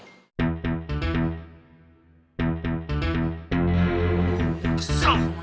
ketua beli kobra